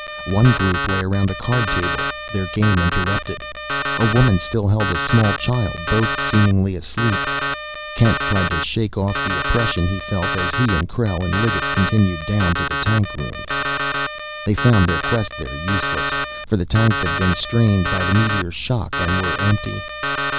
One group lay around a card table, their game interrupted. A woman still held a small child, both seemingly asleep. Kent tried to shake off the oppression he felt as he and Krell and Liggett continued down to the tank rooms. They found their quest there useless, for the tanks had been strained by the meteor's shock, and were empty.